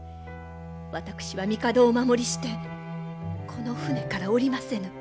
私は帝をお守りしてこの船から降りませぬ。